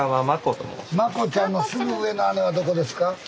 真ちゃんのすぐ上の姉はどこですか？